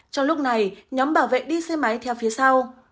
trong lúc này nhóm bảo vệ đi xe máy theo phía sau